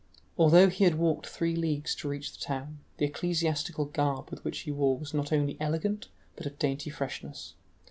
Although he had walked three leagues to reach the town, the ecclesiastical garb which he wore was not only elegant but of dainty freshness.